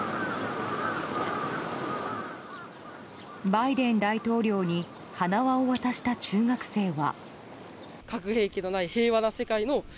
バイデン大統領に花輪を渡した中学生は。